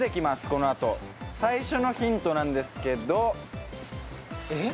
このあと最初のヒントなんですけど・えっ？